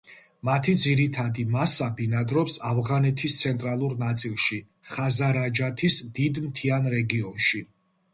მათი ძირითადი მასა ბინადრობს ავღანეთის ცენტრალურ ნაწილში, ხაზარაჯათის დიდ მთიან რეგიონში.